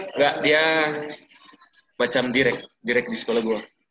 enggak dia macam direct direk di sekolah gue